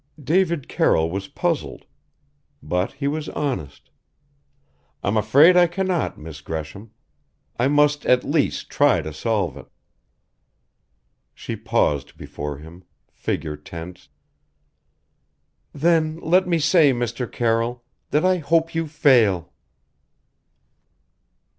David Carroll was puzzled. But he was honest "I'm afraid I cannot, Miss Gresham. I must, at least, try to solve it." She paused before him: figure tensed "Then let me say, Mr. Carroll that I hope you fail!"